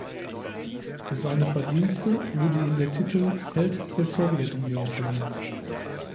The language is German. Für seine Verdienste wurde ihm der Titel „Held der Sowjetunion“ verliehen.